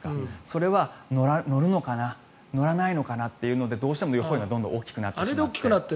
それは乗るのかな乗らないのかなというのでどうしても予報円が大きくなってしまって。